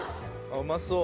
うまそう。